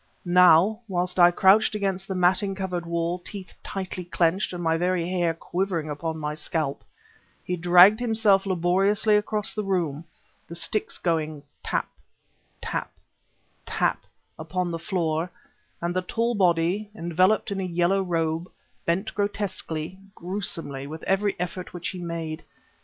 Now, whilst I crouched against the matting covered wall, teeth tightly clenched and my very hair quivering upon my scalp, he dragged himself laboriously across the room, the sticks going tap tap tap upon the floor, and the tall body, enveloped in a yellow robe, bent grotesquely, gruesomely, with every effort which he made.